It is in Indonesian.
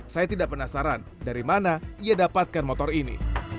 saya tidak penasaran dari mana ia dapatkan motor ini